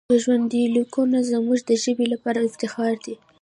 دا ژوندلیکونه زموږ د ژبې لپاره افتخار دی.